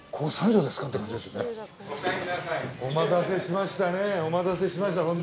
お待たせしました。